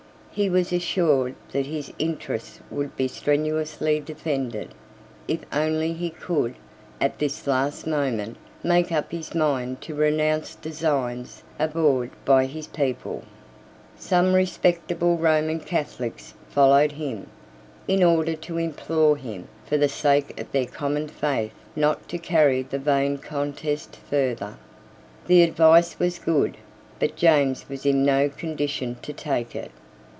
He was assured that his interests would be strenuously defended, if only he could, at this last moment, make up his mind to renounce designs abhorred by his people. Some respectable Roman Catholics followed him, in order to implore him, for the sake of their common faith, not to carry the vain contest further. The advice was good; but James was in no condition to take it.